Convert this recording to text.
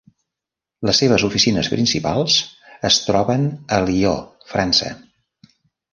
Les seves oficines principals es troben a Lió, França.